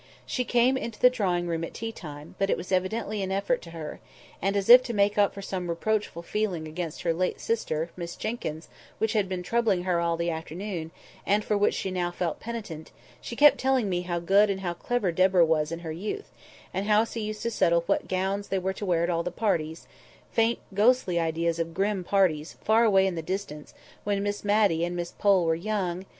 She came into the drawing room at tea time, but it was evidently an effort to her; and, as if to make up for some reproachful feeling against her late sister, Miss Jenkyns, which had been troubling her all the afternoon, and for which she now felt penitent, she kept telling me how good and how clever Deborah was in her youth; how she used to settle what gowns they were to wear at all the parties (faint, ghostly ideas of grim parties, far away in the distance, when Miss Matty and Miss Pole were young!)